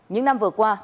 những năm vừa qua